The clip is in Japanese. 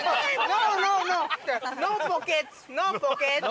ノーポケット。